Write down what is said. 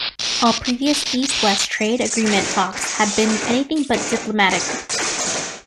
All previous East-West trade agreement talks had been anything but diplomatic.